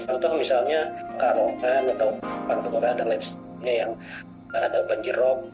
contohnya misalnya karungan atau pantung rata dan lain sebagainya yang ada banjir rom